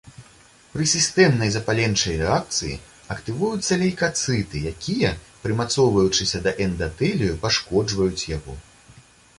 Пры сістэмнай запаленчай рэакцыі актывуюцца лейкацыты, якія прымацоўваючыся да эндатэлію пашкоджваюць яго.